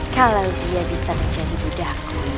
kalau dia bisa menjadi buddha